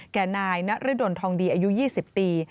แก่นายนรดลทองดีอายุ๒๐ปี